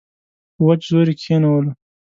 په وچ زور یې کښېنولو.